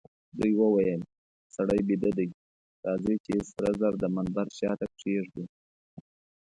دوی وویل: سړی بیده دئ، راځئ چي سره زر د منبر شاته کښېږدو.